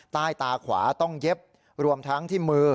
ใต้ตาขวาต้องเย็บรวมทั้งที่มือ